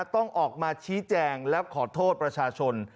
ต้องออกมาชี้แจงและขอโทษประชาชน